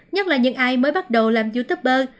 nhất là những ai mới bắt đầu làm youtuber